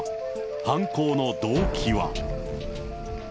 犯行の動機は。